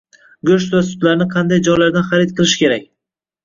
Go’sht va sutlarni qanday joylardan xarid qilish kerak?